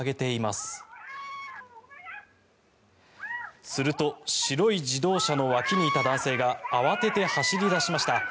すると白い自動車の脇にいた男性が慌てて走り出しました。